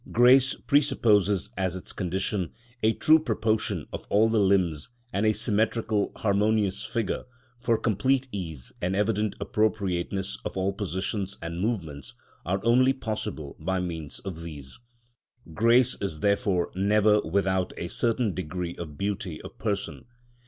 Grace presupposes as its condition a true proportion of all the limbs, and a symmetrical, harmonious figure; for complete ease and evident appropriateness of all positions and movements are only possible by means of these. Grace is therefore never without a certain degree of beauty of person.